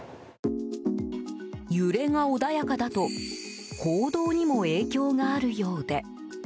揺れが穏やかだと行動にも影響があるようで。